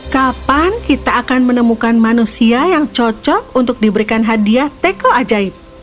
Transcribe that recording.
kapan kita akan menemukan manusia yang cocok untuk diberikan hadiah teko ajaib